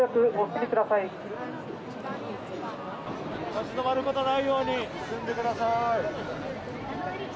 立ち止まることのないように進んでください。